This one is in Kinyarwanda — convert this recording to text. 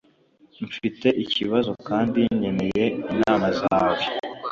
Mfite ikibazo kandi nkeneye inama zawe.